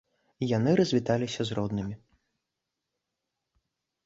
Яны развіталіся з роднымі.